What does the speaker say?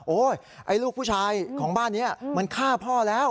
ไอ้ลูกผู้ชายของบ้านนี้มันฆ่าพ่อแล้ว